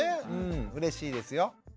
うれしいですよ。